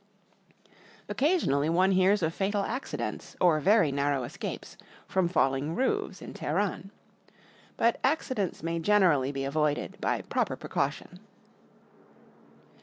Occasionally one hears of fatal accidents, or very narrow escapes, from falUng roofs in Teheran. But accidents may generally be avoided by proper pre caution.